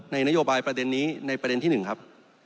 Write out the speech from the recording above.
นโยบายประเด็นนี้ในประเด็นที่๑ครับ